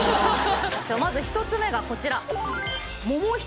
まず１つ目がこちら。